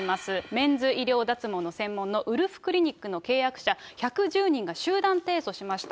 メンズ医療脱毛の専門のウルフクリニックの契約者１１０人が集団提訴しました。